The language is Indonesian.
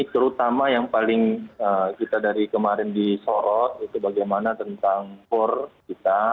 terutama yang paling kita dari kemarin disorot itu bagaimana tentang for kita